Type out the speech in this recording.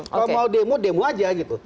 kalau mau demo demo aja gitu